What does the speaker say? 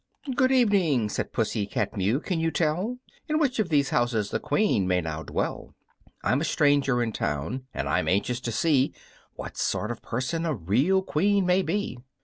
"Good evening," said Pussy cat Mew. "Can you tell In which of these houses the Queen may now dwell? I'm a stranger in town, and I'm anxious to see What sort of a person a real Queen may be."